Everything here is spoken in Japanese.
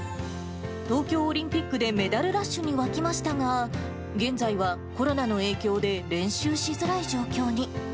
東京オリンピックでメダルラッシュに沸きましたが、現在はコロナの影響で、練習しづらい状況に。